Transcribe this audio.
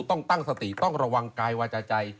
ต้องตั้งสติต้องระวังกายวาจาใจ